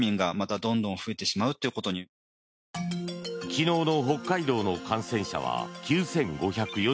昨日の北海道の感染者は９５４６人。